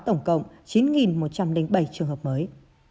tổng cộng chín một trăm linh bảy trường hợp mới